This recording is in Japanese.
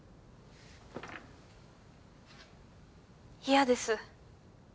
嫌です。